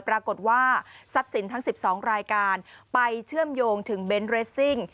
ปรากฏว่าทรัพย์สินทั้ง๑๒รายการไปเชื่อมโยงถึงเบนท์เรสซิ่ง